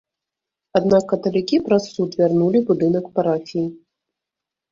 Аднак каталікі праз суд вярнулі будынак парафіі.